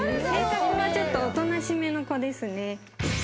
性格は、ちょっとおとなしめの子ですね。